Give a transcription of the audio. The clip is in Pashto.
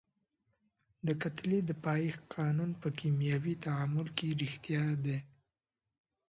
د کتلې د پایښت قانون په کیمیاوي تعامل کې ریښتیا دی.